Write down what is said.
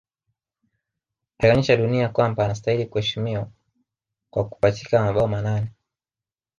Alionyesha dunia kwamba anastahili kuheshimiwa kwa kupachika mabao manane